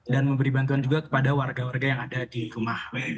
dan memberi bantuan juga kepada warga warga yang ada di rumah